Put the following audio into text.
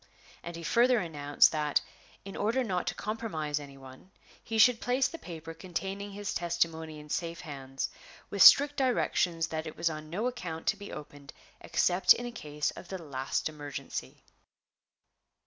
And he further announced that, in order not to compromise any one, he should place the paper containing his testimony in safe hands, with strict directions that it was on no account to be opened except in a case of the last emergency.